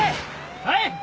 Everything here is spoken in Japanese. はい！